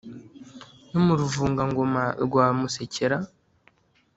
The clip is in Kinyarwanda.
no mu ruvugangoma rwa musekera